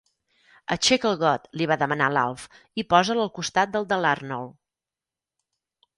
Aixeca el got —li va demanar l'Alf—, i posa'l al costat del de l'Arnold.